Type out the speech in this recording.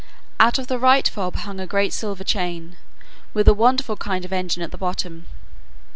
Out of the right fob hung a great silver chain, with a wonderful kind of engine at the bottom.